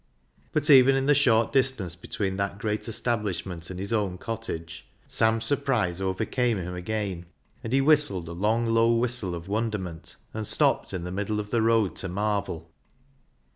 But even in the short distance between that great establishment and his own cottage, Sam's surprise overcame him again, and he whistled a SALLY'S REDEMPTION 119 long, low whistle of wonderment, and stopped in the middle of the road to marvel.